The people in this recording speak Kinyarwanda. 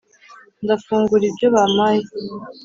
ndafungura ibyo bampaye,